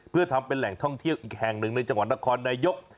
เพื่อทำเป็นแหล่งท่องเที่ยวอีกแห่งหนึ่งในจังหวัดนครนายก